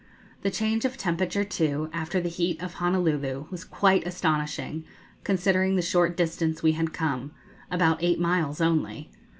The change of temperature, too, after the heat of Honolulu, was quite astonishing, considering the short distance we had come about eight miles only.